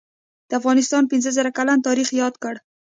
دافغانستان پنځه زره کلن تاریخ یاد کړه